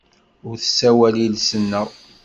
Ur tessawal iles-nneɣ.